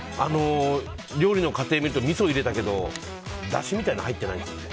料理の過程を見るとみそを入れたけどだしみたいなの入ってないよね。